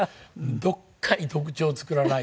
どっかに特徴を作らないと。